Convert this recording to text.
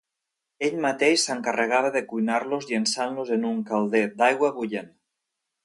Ell mateix s'encarregava de cuinar-los llençant-los en un calder d'aigua bullent.